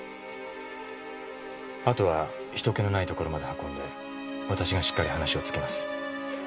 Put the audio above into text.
あとは人気のない所まで運んで私がしっかり話をつけます。